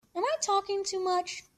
Am I talking too much?